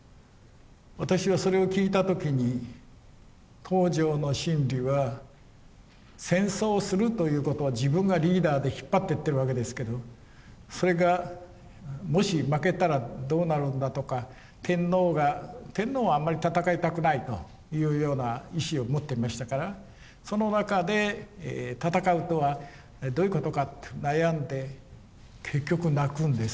私はそれを聞いた時に東條の心理は戦争をするということは自分がリーダーで引っ張ってってるわけですけどそれがもし負けたらどうなるんだとか天皇が天皇はあんまり戦いたくないというような意思を持っていましたからその中で戦うとはどういうことかと悩んで結局泣くんですね。